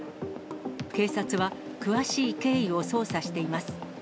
警察は、詳しい経緯を捜査しています。